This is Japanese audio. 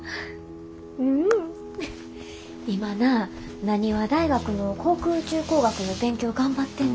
うん今な浪速大学の航空宇宙工学の勉強頑張ってんねんて。